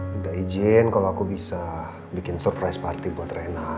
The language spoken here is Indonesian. minta izin kalau aku bisa bikin surprise party buat rena